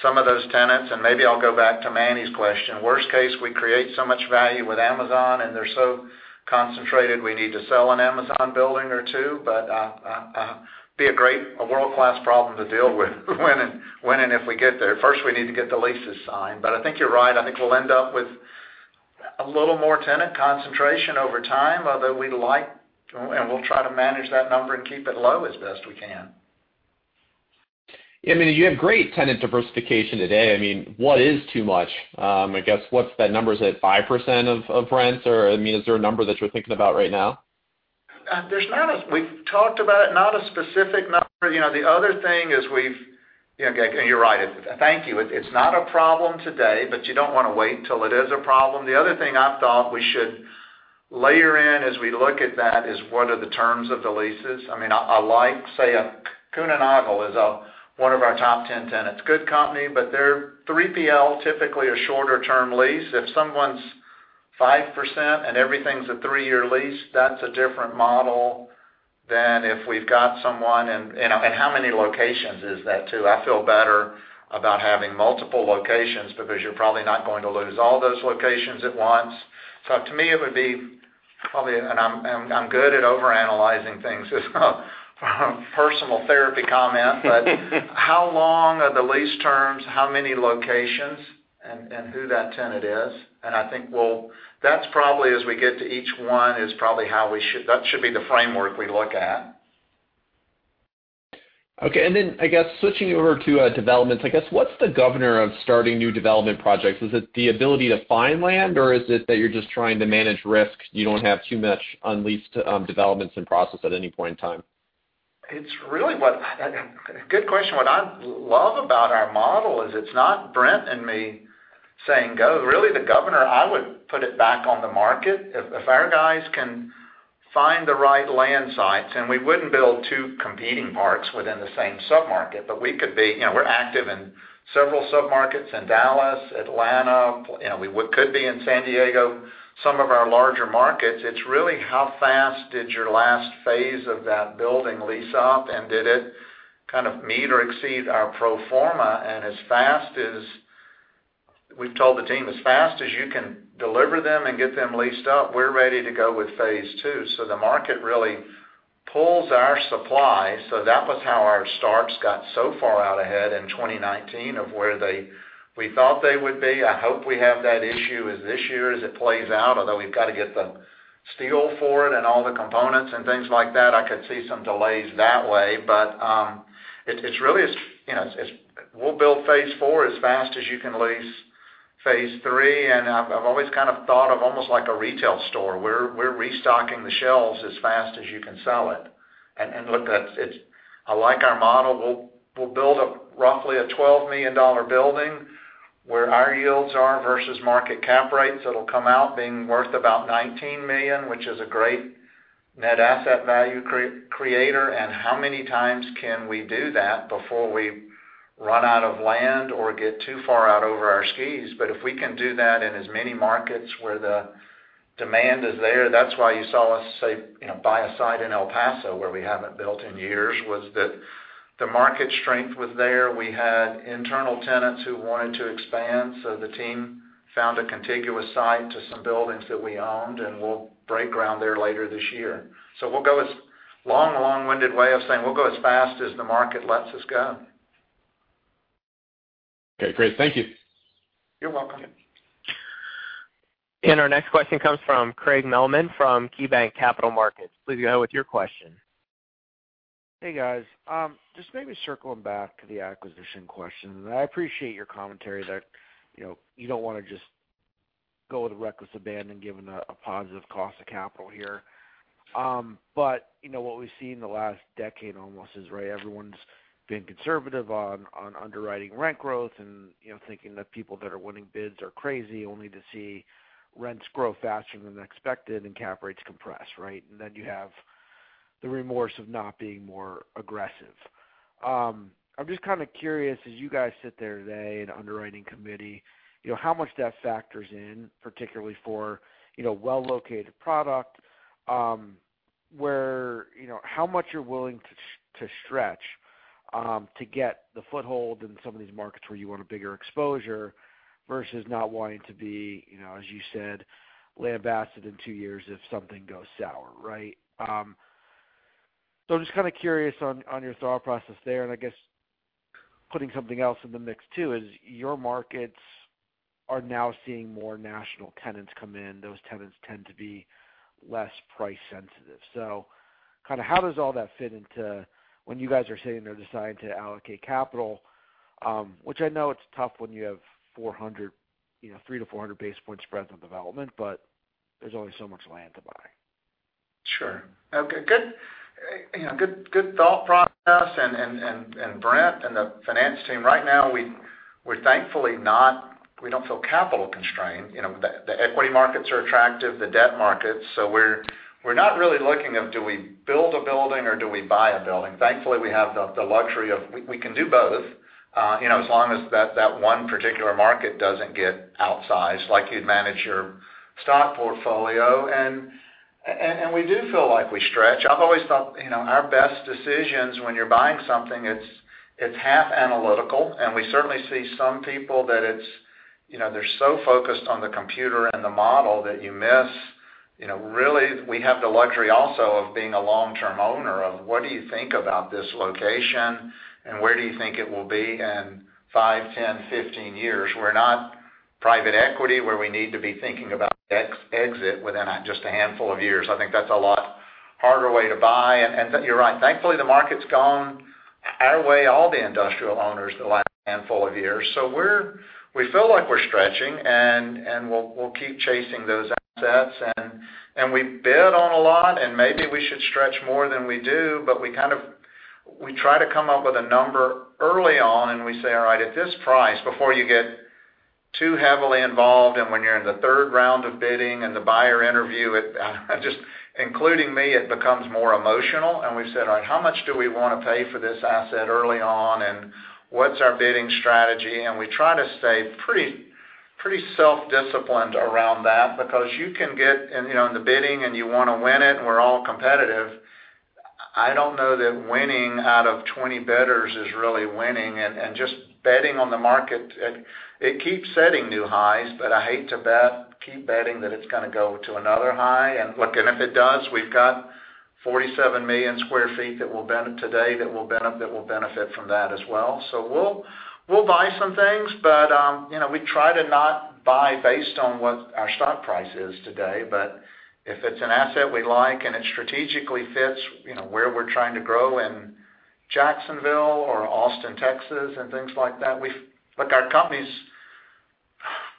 some of those tenants, and maybe I'll go back to Manny's question. Worst case, we create so much value with Amazon, and they're so concentrated we need to sell an Amazon building or two. Be a great, a world-class problem to deal with when and if we get there. First, we need to get the leases signed. I think you're right. I think we'll end up with a little more tenant concentration over time, although we'd like, and we'll try to manage that number and keep it low as best we can. I mean, you have great tenant diversification today. What is too much? I guess, what's that number, is it 5% of rents? Is there a number that you're thinking about right now? We've talked about it, not a specific number. The other thing is You're right. Thank you. It's not a problem today, but you don't want to wait till it is a problem. The other thing I thought we should layer in as we look at that is what are the terms of the leases? I like, say, Kuehne + Nagel is one of our top 10 tenants. Good company, but they're 3PL, typically a shorter-term lease. If someone's 5% and everything's a three-year lease, that's a different model than if we've got someone, and how many locations is that, too? I feel better about having multiple locations because you're probably not going to lose all those locations at once. To me, it would be probably, and I'm good at overanalyzing things as well, personal therapy comment. How long are the lease terms, how many locations, and who that tenant is? I think that's probably, as we get to each one, that should be the framework we look at. Okay, switching over to developments. What's the governor of starting new development projects? Is it the ability to find land, or is it that you're just trying to manage risk, you don't have too much unleased developments in process at any point in time? Good question. What I love about our model is it's not Brent and me saying go. The governor, I would put it back on the market. If our guys can find the right land sites, we wouldn't build two competing parks within the same sub-market, we're active in several sub-markets in Dallas, Atlanta. We could be in San Diego, some of our larger markets. It's really how fast did your last phase of that building lease up, did it kind of meet or exceed our pro forma? We've told the team, as fast as you can deliver them and get them leased up, we're ready to go with phase II. The market really pulls our supply. That was how our starts got so far out ahead in 2019 of where we thought they would be. I hope we have that issue as this year, as it plays out. We've got to get the steel for it and all the components and things like that. I could see some delays that way. We'll build phase four as fast as you can lease phase III. I've always kind of thought of almost like a retail store. We're restocking the shelves as fast as you can sell it. Look, I like our model. We'll build roughly a $12 million building where our yields are versus market cap rates, that'll come out being worth about $19 million, which is a great NAV creator. How many times can we do that before we run out of land or get too far out over our skis? If we can do that in as many markets where the demand is there, that's why you saw us say, buy a site in El Paso where we haven't built in years, was that the market strength was there. We had internal tenants who wanted to expand, so the team found a contiguous site to some buildings that we owned, and we'll break ground there later this year. Long, long-winded way of saying we'll go as fast as the market lets us go. Okay, great. Thank you. You're welcome. Our next question comes from Craig Mailman from KeyBanc Capital Markets. Please go ahead with your question. Hey, guys. Just maybe circling back to the acquisition question. I appreciate your commentary that you don't want to just go with reckless abandon given a positive cost of capital here. What we've seen in the last 10 years almost is everyone's been conservative on underwriting rent growth and thinking that people that are winning bids are crazy, only to see rents grow faster than expected and cap rates compress. Then you have the remorse of not being more aggressive. I'm just kind of curious, as you guys sit there today in the underwriting committee, how much that factors in, particularly for well-located product. How much you're willing to stretch to get the foothold in some of these markets where you want a bigger exposure versus not wanting to be, as you said, land asset in two years if something goes sour. I'm just kind of curious on your thought process there, and I guess putting something else in the mix too, is your markets are now seeing more national tenants come in. Those tenants tend to be less price sensitive. How does all that fit into when you guys are sitting there deciding to allocate capital? I know it's tough when you have 300-400 basis point spreads on development, but there's only so much land to buy. Sure. Okay, good thought process. Brent and the finance team, right now, we don't feel capital constrained. The equity markets are attractive, the debt markets. We're not really looking at do we build a building or do we buy a building? Thankfully, we have the luxury of we can do both as long as that one particular market doesn't get outsized, like you'd manage your stock portfolio. We do feel like we stretch. I've always thought our best decisions when you're buying something, it's half analytical, and we certainly see some people that they're so focused on the computer and the model that you miss. Really, we have the luxury also of being a long-term owner of what do you think about this location, and where do you think it will be in five, 10, 15 years? We're not private equity, where we need to be thinking about exit within just a handful of years. I think that's a lot harder way to buy. You're right. Thankfully, the market's gone our way, all the industrial owners, the last handful of years. We feel like we're stretching, and we'll keep chasing those assets. We bid on a lot, and maybe we should stretch more than we do, but we try to come up with a number early on, and we say, all right, at this price, before you get too heavily involved and when you're in the third round of bidding and the buyer interview, including me, it becomes more emotional. We've said, "All right, how much do we want to pay for this asset early on, and what's our bidding strategy?" We try to stay pretty self-disciplined around that because you can get in the bidding and you want to win it, and we're all competitive. I don't know that winning out of 20 bidders is really winning. Just betting on the market, it keeps setting new highs, but I hate to keep betting that it's going to go to another high. If it does, we've got 47 million sq ft today that will benefit from that as well. We'll buy some things, but we try to not buy based on what our stock price is today. If it's an asset we like and it strategically fits where we're trying to grow in Jacksonville or Austin, Texas, and things like that. Look, our company's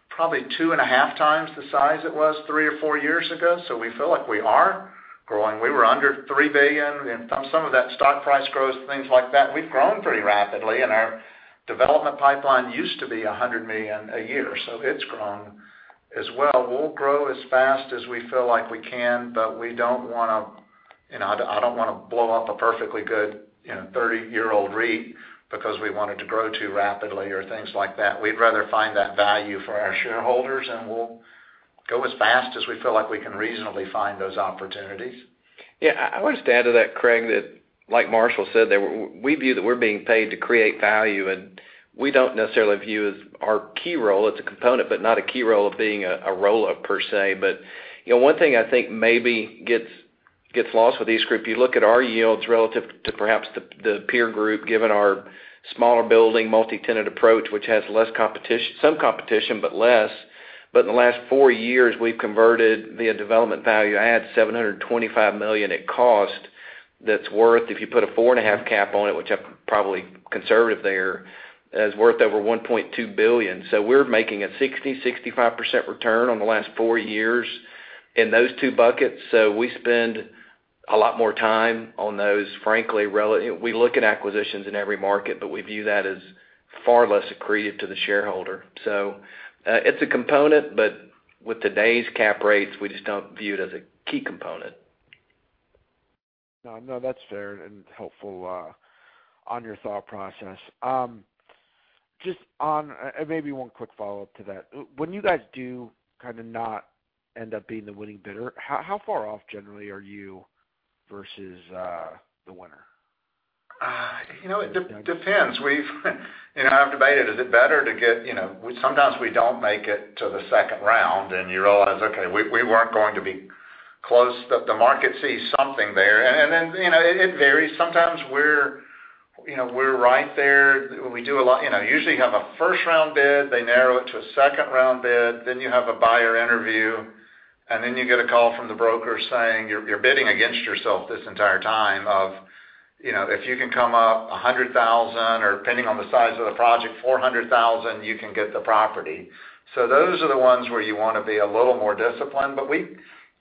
probably two and a half times the size it was three or four years ago, so we feel like we are growing. We were under $3 billion. Some of that stock price grows, things like that. We've grown pretty rapidly, and our development pipeline used to be $100 million a year, so it's grown as well. We'll grow as fast as we feel like we can, but I don't want to blow up a perfectly good 30-year-old REIT because we wanted to grow too rapidly or things like that. We'd rather find that value for our shareholders, and we'll go as fast as we feel like we can reasonably find those opportunities. Yeah. I would just add to that, Craig, that like Marshall said, that we view that we're being paid to create value, and we don't necessarily view as our key role. It's a component, but not a key role of being a roll-up per se. One thing I think maybe gets lost with EastGroup, you look at our yields relative to perhaps the peer group, given our smaller building multi-tenant approach, which has some competition, but less. In the last four years, we've converted via development value add, $725 million at cost that's worth, if you put a four and a half cap on it, which I'm probably conservative there, is worth over $1.2 billion. We're making a 60%-65% return on the last four years in those two buckets. We spend a lot more time on those, frankly. We look at acquisitions in every market, but we view that as far less accretive to the shareholder. It's a component, but with today's cap rates, we just don't view it as a key component. No, that's fair and helpful on your thought process. Just maybe one quick follow-up to that. When you guys do kind of not end up being the winning bidder, how far off generally are you versus the winner? It depends. I've debated, is it better to get? Sometimes we don't make it to the second round, and you realize, okay, we weren't going to be close. The market sees something there. It varies. Sometimes we're right there. Usually, you have a first-round bid, they narrow it to a second-round bid, then you have a buyer interview, and then you get a call from the broker saying, "You're bidding against yourself this entire time of if you can come up $100,000, or depending on the size of the project, $400,000, you can get the property." Those are the ones where you want to be a little more disciplined.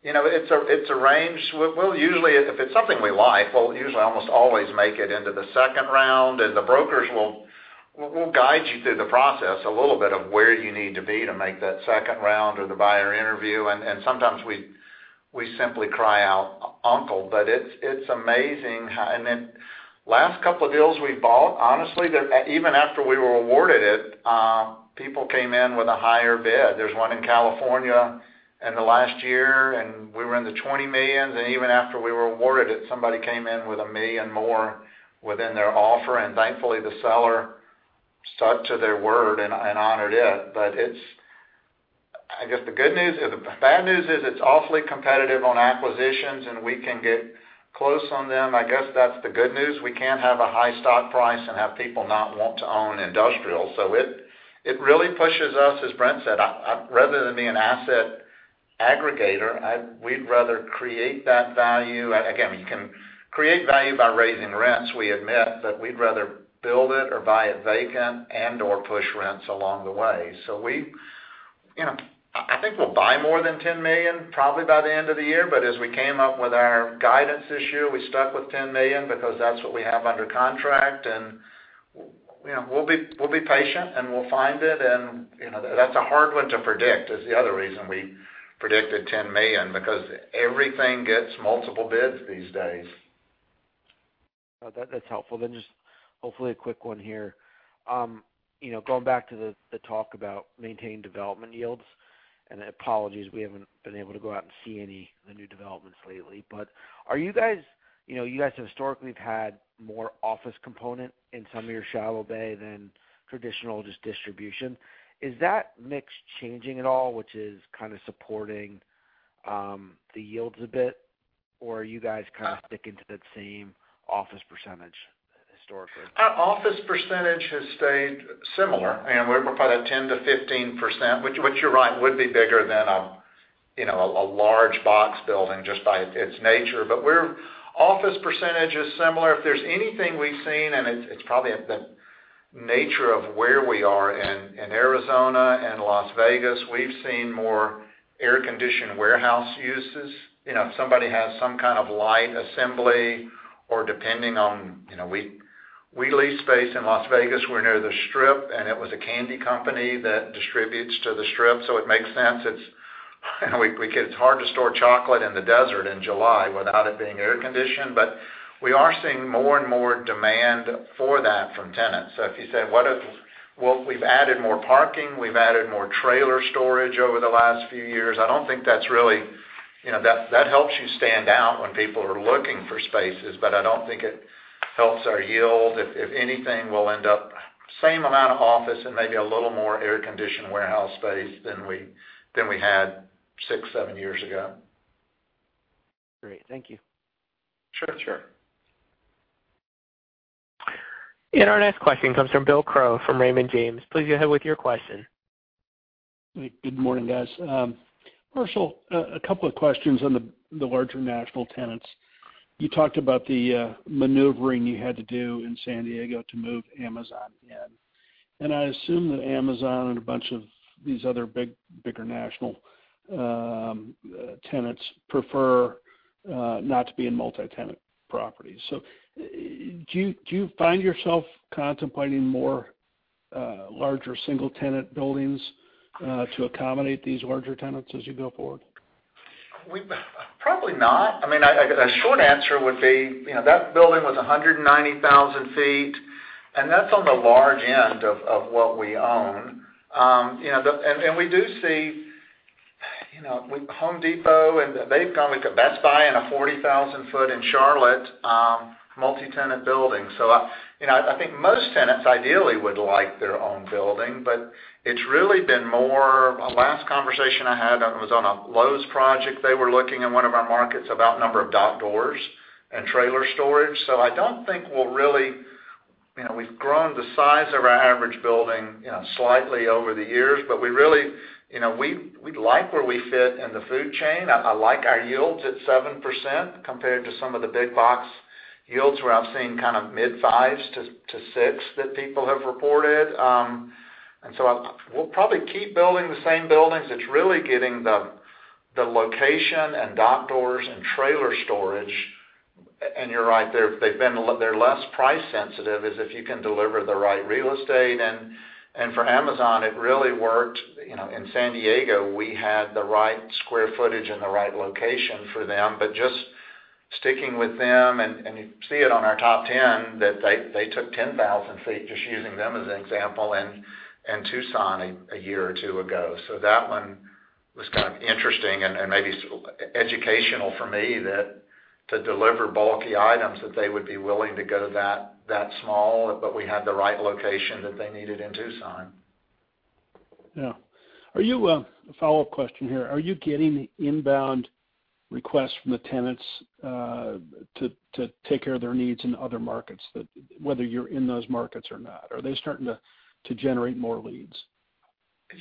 It's a range. If it's something we like, we'll usually almost always make it into the second round. The brokers will guide you through the process a little bit of where you need to be to make that second round or the buyer interview. Sometimes we simply cry out, "Uncle." It's amazing. Last couple of deals we bought, honestly, even after we were awarded it, people came in with a higher bid. There's one in California in the last year. We were in the $20 millions, and even after we were awarded it, somebody came in with $1 million more within their offer. Thankfully, the seller stuck to their word and honored it. I guess the bad news is it's awfully competitive on acquisitions. We can get close on them. I guess that's the good news. We can't have a high stock price and have people not want to own industrial. It really pushes us. As Brent said, rather than be an asset aggregator, we'd rather create that value. We can create value by raising rents, we admit, but we'd rather build it or buy it vacant and/or push rents along the way. I think we'll buy more than 10 million probably by the end of the year. As we came up with our guidance this year, we stuck with 10 million because that's what we have under contract. We'll be patient, and we'll find it. That's a hard one to predict is the other reason we predicted 10 million, because everything gets multiple bids these days. No, that's helpful. Just hopefully a quick one here. Going back to the talk about maintaining development yields, and apologies, we haven't been able to go out and see any of the new developments lately. You guys have historically had more office component in some of your shallow bay than traditional just distribution. Is that mix changing at all, which is kind of supporting the yields a bit? Or are you guys kind of sticking to that same office percentage? Office percentage has stayed similar, we're probably at 10%-15%, which you're right, would be bigger than a large box building just by its nature. Office percentage is similar. If there's anything we've seen, and it's probably the nature of where we are in Arizona and Las Vegas, we've seen more air-conditioned warehouse uses. If somebody has some kind of light assembly, we lease space in Las Vegas. We're near the Strip, it was a candy company that distributes to the Strip, it makes sense. It's hard to store chocolate in the desert in July without it being air-conditioned. We are seeing more and more demand for that from tenants. If you say, Well, we've added more parking, we've added more trailer storage over the last few years. That helps you stand out when people are looking for spaces, but I don't think it helps our yield. If anything, we'll end up same amount of office and maybe a little more air-conditioned warehouse space than we had six, seven years ago. Great. Thank you. Sure. Our next question comes from Bill Crow from Raymond James. Please go ahead with your question. Good morning, guys. Marshall, a couple of questions on the larger national tenants. You talked about the maneuvering you had to do in San Diego to move Amazon in. I assume that Amazon and a bunch of these other bigger national tenants prefer not to be in multi-tenant properties. Do you find yourself contemplating more larger single-tenant buildings to accommodate these larger tenants as you go forward? Probably not. A short answer would be that building was 190,000 ft, and that's on the large end of what we own. We do see The Home Depot, and they've gone with Best Buy in a 40,000 foot in Charlotte multi-tenant building. I think most tenants ideally would like their own building, but it's really been more Last conversation I had was on a Lowe's project. They were looking in one of our markets about number of dock doors and trailer storage. I don't think We've grown the size of our average building slightly over the years, but we like where we fit in the food chain. I like our yields at 7% compared to some of the big box yields, where I've seen kind of mid-fives to six that people have reported. We'll probably keep building the same buildings. It's really getting the location and dock doors and trailer storage, and you're right, they're less price sensitive as if you can deliver the right real estate. For Amazon, it really worked. In San Diego, we had the right square footage and the right location for them, but just sticking with them, and you see it on our top 10, that they took 10,000 ft, just using them as an example, in Tucson a year or two ago. That one was kind of interesting and maybe educational for me that to deliver bulky items, that they would be willing to go that small, but we had the right location that they needed in Tucson. Yeah. A follow-up question here. Are you getting inbound requests from the tenants to take care of their needs in other markets, whether you're in those markets or not? Are they starting to generate more leads?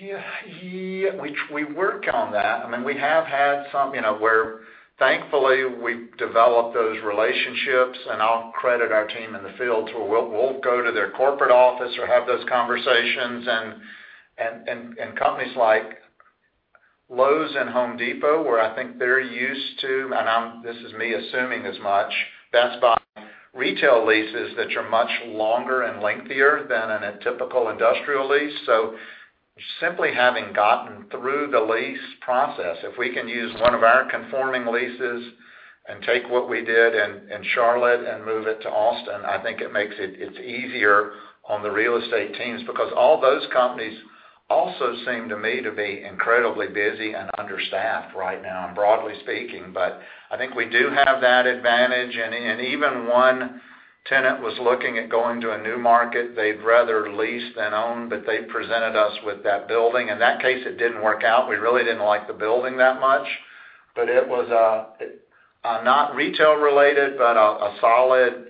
Yeah. We work on that. We have had some where thankfully we've developed those relationships, and I'll credit our team in the field. We'll go to their corporate office or have those conversations and companies like Lowe's and The Home Depot, where I think they're used to, and this is me assuming as much, Best Buy retail leases that are much longer and lengthier than a typical industrial lease. Simply having gotten through the lease process, if we can use one of our conforming leases and take what we did in Charlotte and move it to Austin, I think it's easier on the real estate teams because all those companies also seem to me to be incredibly busy and understaffed right now, broadly speaking. I think we do have that advantage, and even one tenant was looking at going to a new market they'd rather lease than own, but they presented us with that building. In that case, it didn't work out. We really didn't like the building that much, but it was not retail related, but a solid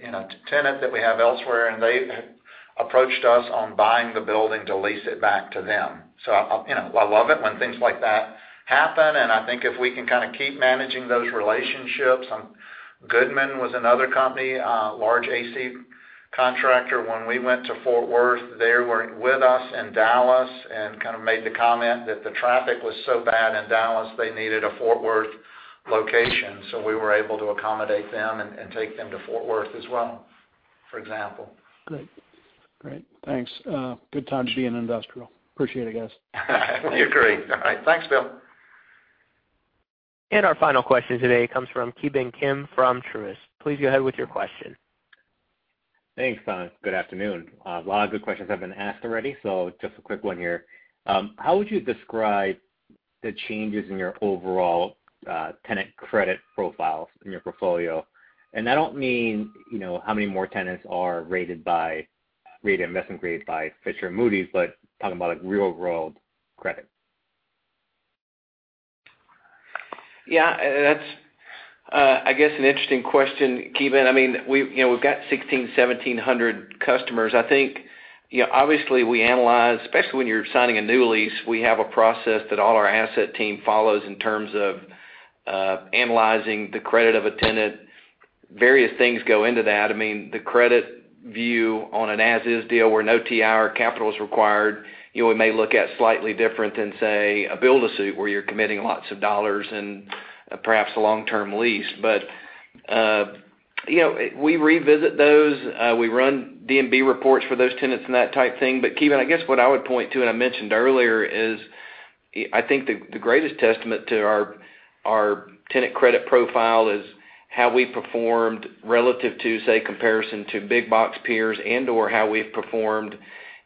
tenant that we have elsewhere, and they approached us on buying the building to lease it back to them. I love it when things like that happen, and I think if we can kind of keep managing those relationships Goodman was another company, a large AC contractor. When we went to Fort Worth, they were with us in Dallas and kind of made the comment that the traffic was so bad in Dallas they needed a Fort Worth location. We were able to accommodate them and take them to Fort Worth as well, for example. Great. Thanks. Good time to be in industrial. Appreciate it, guys. We agree. All right. Thanks, Bill. Our final question today comes from Ki Bin Kim from Truist. Please go ahead with your question. Thanks. Good afternoon. A lot of good questions have been asked already. Just a quick one here. How would you describe the changes in your overall tenant credit profiles in your portfolio? I don't mean how many more tenants are rated investment grade by Fitch and Moody's, but talking about real-world credit. Yeah. That's, I guess, an interesting question, Ki Bin Kim. We've got 1,600, 1,700 customers. I think, obviously we analyze, especially when you're signing a new lease, we have a process that all our asset team follows in terms of analyzing the credit of a tenant. Various things go into that. The credit view on an as-is deal where no TIR capital is required, we may look at slightly different than, say, a build-to-suit, where you're committing lots of dollars and perhaps a long-term lease. We revisit those, we run D&B reports for those tenants and that type of thing. Kim, I guess what I would point to, and I mentioned earlier, is I think the greatest testament to our tenant credit profile is how we performed relative to, say, comparison to big box peers and/or how we've performed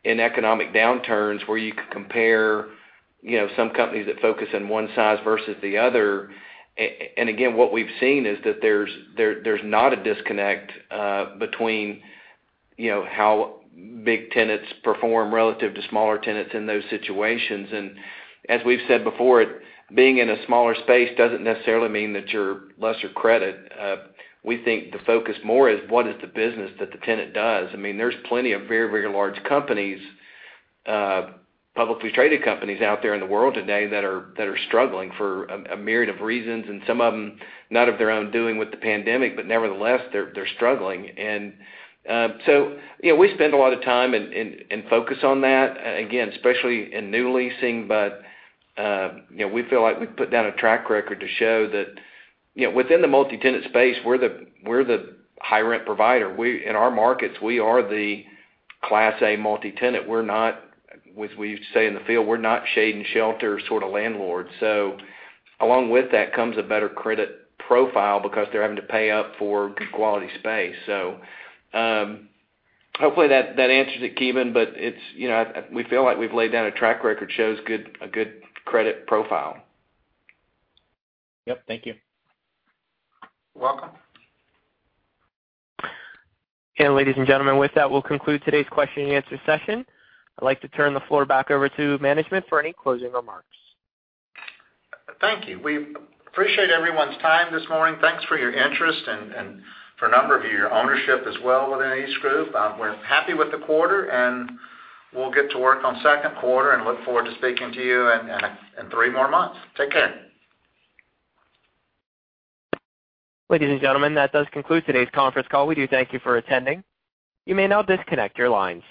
in economic downturns, where you could compare some companies that focus on one size versus the other. Again, what we've seen is that there's not a disconnect between how big tenants perform relative to smaller tenants in those situations. As we've said before, being in a smaller space doesn't necessarily mean that you're lesser credit. We think the focus more is what is the business that the tenant does. There's plenty of very large companies, publicly traded companies out there in the world today that are struggling for a myriad of reasons, and some of them not of their own doing with the pandemic, but nevertheless, they're struggling. We spend a lot of time and focus on that, again, especially in new leasing. We feel like we've put down a track record to show that within the multi-tenant space, we're the high-rent provider. In our markets, we are the Class A multi-tenant. We're not, as we say in the field, we're not shade and shelter sort of landlords. Along with that comes a better credit profile because they're having to pay up for good quality space. Hopefully that answers it, Ki Bin Kim, but we feel like we've laid down a track record shows a good credit profile. Yep. Thank you. You're welcome. Ladies and gentlemen, with that, we'll conclude today's question and answer session. I'd like to turn the floor back over to management for any closing remarks. Thank you. We appreciate everyone's time this morning. Thanks for your interest and, for a number of you, your ownership as well within EastGroup. We're happy with the quarter, and we'll get to work on second quarter and look forward to speaking to you in three more months. Take care. Ladies and gentlemen, that does conclude today's conference call. We do thank you for attending. You may now disconnect your lines.